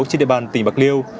trên địa bàn tỉnh bạc liêu